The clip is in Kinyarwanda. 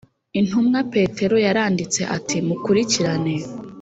Intumwa Petero yaranditse ati mukurikirane